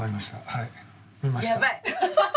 はい見ました。